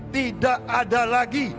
tidak ada lagi